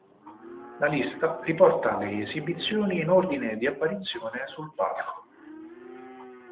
La lista riporta le esibizioni in ordine di apparizione sul palco.